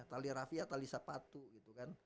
tali rafia tali sepatu gitu kan